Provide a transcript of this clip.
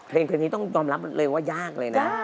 เพลงนี้ต้องยอมรับเลยว่ายากเลยนะ